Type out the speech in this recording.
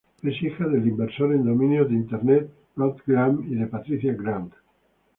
Es hija del inversor en dominios de Internet Rob Grant y de Patricia Grant.